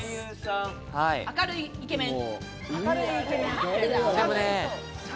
明るいイケメン。